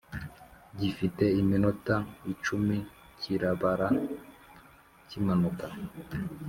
gifite iminota icumi kirabara kimanuka